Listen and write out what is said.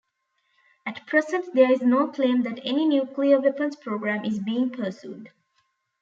At present there is no claim that any nuclear weapons program is being pursued.